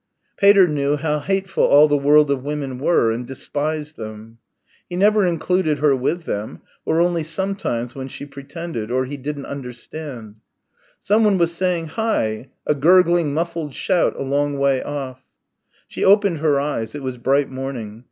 Pater knew how hateful all the world of women were and despised them. He never included her with them; or only sometimes when she pretended, or he didn't understand.... Someone was saying "Hi!" a gurgling muffled shout, a long way off. She opened her eyes. It was bright morning.